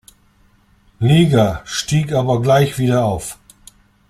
Liga, stieg aber gleich wieder auf.